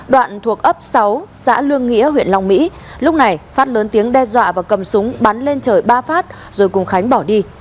đoạn thuộc ấp sáu xã lương nghĩa huyện long mỹ lúc này phát lớn tiếng đe dọa và cầm súng bắn lên trời ba phát rồi cùng khánh bỏ đi